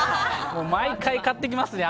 毎回買っていきますね。